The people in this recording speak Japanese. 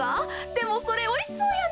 でもそれおいしそうやな。